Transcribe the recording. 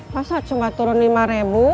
masa cuma turun lima ribu